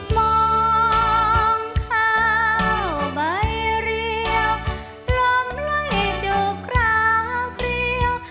มองข่าวใบเรียวลองไล่จูบคราวเครียว